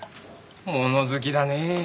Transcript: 物好きだねえ。